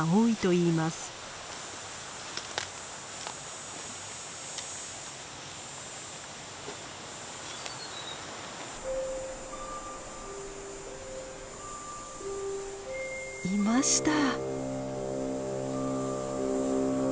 いました。